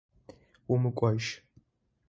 Умыкӏожь!